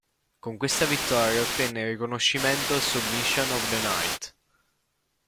Con questa vittoria ottenne il riconoscimento "Submission of the Night".